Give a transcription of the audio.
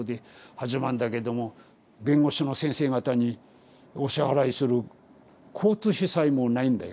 始まんだけども弁護士の先生方にお支払いする交通費さえもないんだよ。